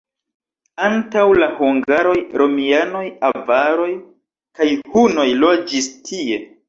Antaŭ la hungaroj romianoj, avaroj kaj hunoj loĝis tie.